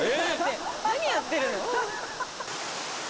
なにやってるの？